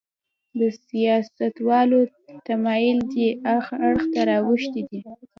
د سیاستوالو تمایل دې اړخ ته راوښتی دی.